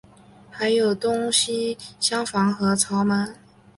还有东西厢房和朝门。